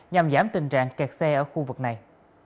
nhằm giảm tình trạng kẹt xe ở khu vực này